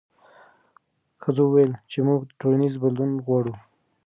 ښځو وویل چې موږ ټولنیز بدلون غواړو.